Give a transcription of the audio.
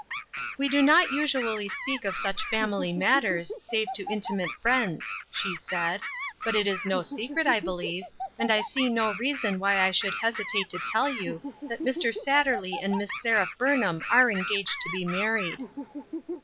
" We do not usually speak of such family matters, save to intimate friends," she said ;" but it is no secret, I believe, and I see no reason why I should hesitate to tell you that Mr. Satterley and Miss Seraph Burnham are engaged to be married."